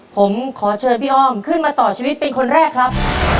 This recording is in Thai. ผมขอเชิญพี่อ้อมขึ้นมาต่อชีวิตเป็นคนแรกครับ